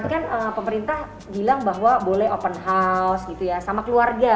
tapi kan pemerintah bilang bahwa boleh open house gitu ya sama keluarga